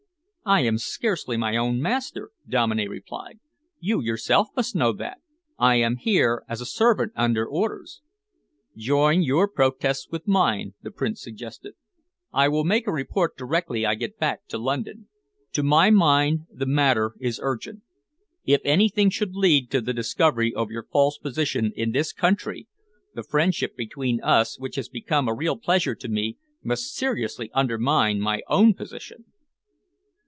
"I am scarcely my own master," Dominey replied. "You yourself must know that. I am here as a servant under orders." "Join your protests with mine," the Prince suggested. "I will make a report directly I get back to London. To my mind, the matter is urgent. If anything should lead to the discovery of your false position in this country, the friendship between us which has become a real pleasure to me must seriously undermine my own position."